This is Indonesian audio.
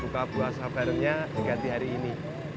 buka puasa barengnya diganti hari ini